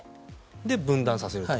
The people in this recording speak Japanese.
で、分断させると。